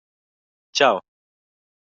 Tgau.